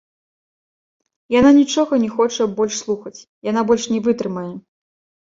Яна нічога не хоча больш слухаць, яна больш не вытрымае.